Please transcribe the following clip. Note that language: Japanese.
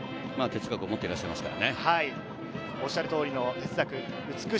哲学を持ってらっしゃいますからね。